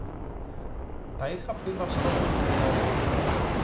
Τα είχα πει βαστώντας το θυμό μου